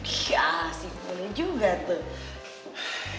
iya sih boleh juga tuh